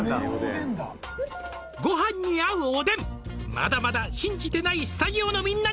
「まだまだ信じてないスタジオのみんなにも」